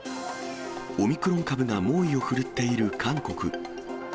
オミクロン株が猛威を振るっている韓国。